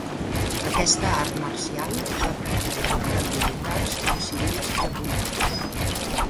Aquesta art marcial la practiquen tant militars com civils japonesos.